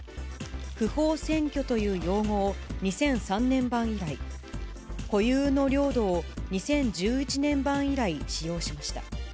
不法占拠という用語を２００３年版以来、固有の領土を２０１１年版以来使用しました。